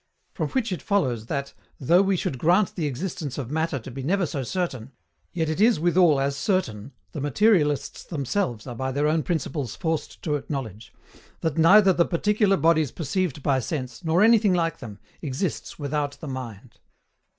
From which it follows that, though we should grant the existence of Matter to be never so certain, yet it is withal as certain, the materialists themselves are by their own principles forced to acknowledge, that neither the particular bodies perceived by sense, nor anything like them, exists without the mind.